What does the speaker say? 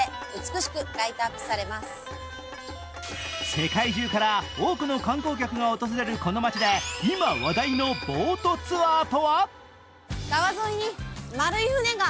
世界中から多くの観光客が訪れるこの街で今、話題のボートツアーとは？